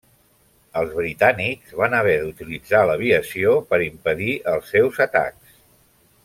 Els britànics van haver d'utilitzar l'aviació per impedir els seus atacs.